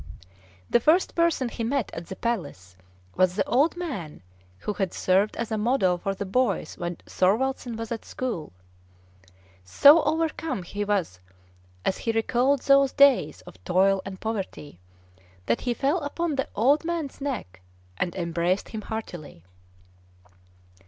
The first person he met at the palace was the old man who had served as a model for the boys when Thorwaldsen was at school. So overcome was he as he recalled those days of toil and poverty, that he fell upon the old man's neck, and embraced him heartily.